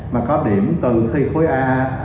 mà có điểm từ thi khối a một hai mươi sáu bảy mươi năm